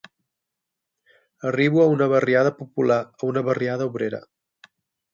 Arribo a una barriada popular, a una barriada obrera